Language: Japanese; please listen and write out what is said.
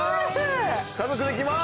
家族で来ます！